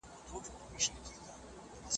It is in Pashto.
درد راسره خپل سو، پرهارونو ته به څه وایو